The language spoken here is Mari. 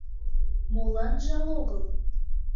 — Молан жал огыл?